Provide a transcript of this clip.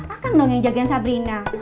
makan dong yang jagain sabrina